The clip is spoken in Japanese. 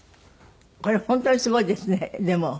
これ本当にすごいですねでも。